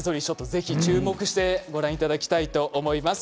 ぜひ注目してご覧いただきたいと思います。